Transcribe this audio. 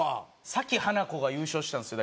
先ハナコが優勝したんですよ